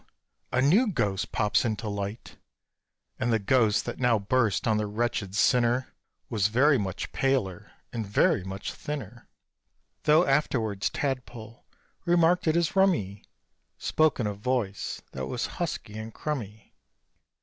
a new ghost pops into light; And the ghost that now burst on the wretched sinner Was very much paler and very much thinner (Though afterwards Tadpole remarked it as "rum," he Spoke in a voice that was husky and crummy).